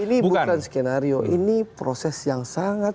ini bukan skenario ini proses yang sangat